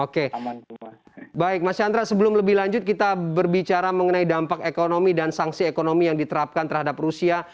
oke baik mas chandra sebelum lebih lanjut kita berbicara mengenai dampak ekonomi dan sanksi ekonomi yang diterapkan terhadap rusia